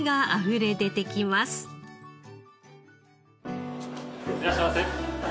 いらっしゃいませ。